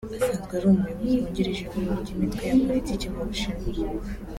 asanzwe ari Umuyobozi wungirije mu ihuriro ry’imitwe ya Politiki mu Bushinwa